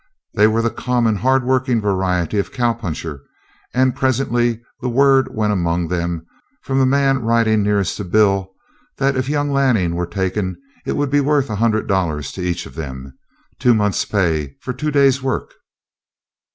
They were the common, hard working variety of cow puncher, and presently the word went among them from the man riding nearest to Bill that if young Lanning were taken it would be worth a hundred dollars to each of them. Two months' pay for two days' work.